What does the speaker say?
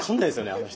あの人。